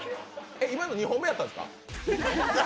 今の２本目だったんですか？